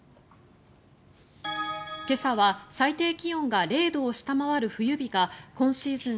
今朝は最低気温が０度を下回る冬日が今シーズン